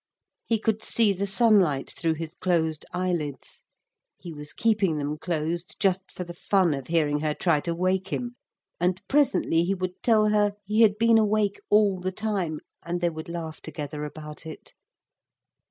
He could see the sunlight through his closed eyelids he was keeping them closed just for the fun of hearing her try to wake him, and presently he would tell her he had been awake all the time, and they would laugh together about it.